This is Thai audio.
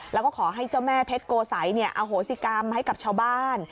แล้วก็ขอให้เจ้าแม่เพชรโกสัยอโหสิกรรมให้กับชาวบ้าน